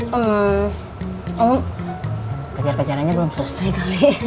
hmm om kejar kejarannya belum selesai kali